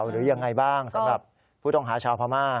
หรือยังไงบ้างสำหรับผู้ต้องหาชาวพม่า